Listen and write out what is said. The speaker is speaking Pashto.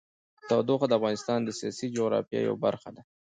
تودوخه د افغانستان د سیاسي جغرافیه یوه برخه ده.